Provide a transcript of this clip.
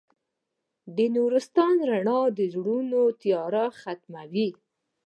د نورستان رڼا د زړونو تیاره ختموي.